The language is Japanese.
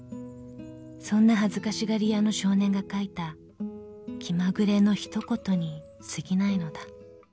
［そんな恥ずかしがり屋の少年が書いた気まぐれのひと言にすぎないのだ］